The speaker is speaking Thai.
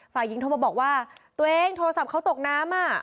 ฝ่ายหญิงโทรมาบอกว่าตัวเองโทรศัพท์เขาตกน้ำ